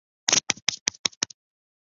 人人有权享有生命、自由和人身安全。